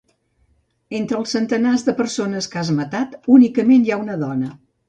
Entre els centenars de persones que has matat únicament hi ha una dona.